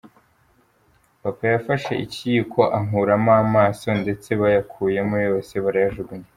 Papa yafashe ikiyiko ankuramo amaso ndetse bayakuyemo yose barayajugunya.